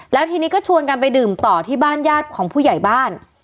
แล้วทีนี้ก็ชวนกันไปดื่มต่อที่บ้านญาติของผู้ใหญ่บ้าน